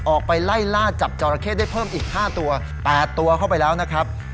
ออกไปไล่ล่าจับจอราเข้ได้เพิ่มอีก๕ตัว๘ตัวเข้าไปแล้วนะครับ